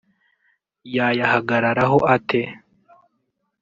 yayahagararaho ate